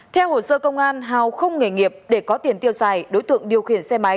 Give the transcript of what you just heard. theo hồ sơ công an hào không nghề nghiệp để có tiền tiêu xài đối tượng điều khiển xe máy